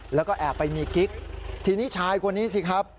แล้วก็แอบไปมีกิ๊กทีนี้ชายคนนี้สิครับ